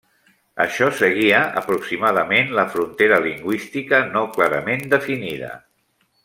Això seguia aproximadament la frontera lingüística no clarament definida.